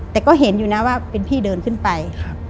แต่ก็เห็นอยู่นะว่าเป็นพี่เดินขึ้นไป